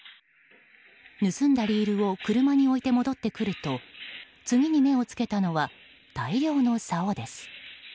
盗んだリールを車に置いて戻ってくると次に目を付けたのは大量のさおです。